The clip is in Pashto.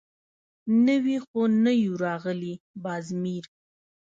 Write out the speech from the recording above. _نوي خو نه يو راغلي، باز مير.